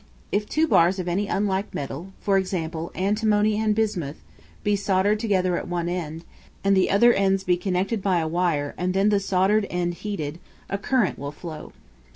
If two bars of any unlike metal for example, antimony and bismuth be soldered together at one end, and the other ends be connected by a wire and then the soldered end heated, a current will flow.